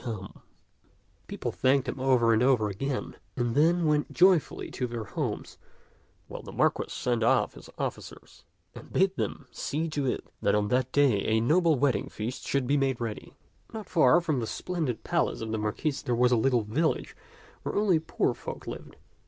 The people thanked him over and over again, and then went joyfully to their homes, while the Marquis sent for his officers and bade them see to it that on that day a noble wedding feast should be made* ready. Not far from the splendid palace of the Marquis there was a little village where only poor folk lived.